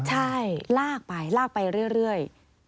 ใช่ลากไปลากไปเรื่อย